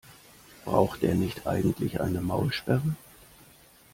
Braucht der nicht eigentlich eine Maulsperre?